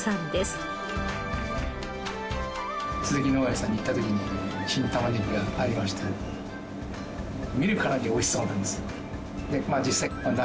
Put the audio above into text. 鈴木農園さんに行った時に新玉ねぎがありまして見るからにおいしそうなんです。